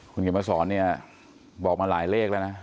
คุณเขียนมาสอนเนี่ยบอกมาหลายเลขแล้วนะ